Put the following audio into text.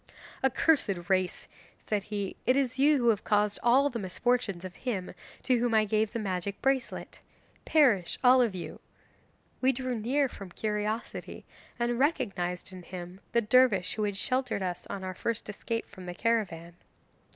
'"Accursed race," said he, "it is you who have caused all the misfortunes of him to whom I gave the magic bracelet. Perish all of you!" 'We drew near from curiosity, and recognised in him the dervish who had sheltered us on our first escape from the caravan.